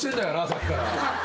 さっきから。